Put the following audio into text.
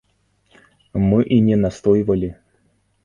Мы і не настойвалі.